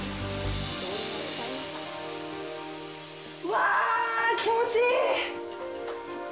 わあ気持ちいい！